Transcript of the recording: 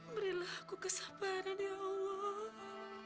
berilah aku kesabaran ya allah